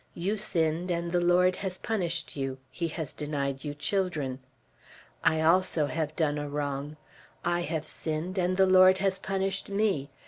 You sinned, and the Lord has punished you. He has denied you children. I also have done a wrong; I have sinned, and the Lord has punished me.